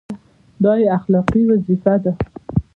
دا یې اخلاقي وظیفه ده.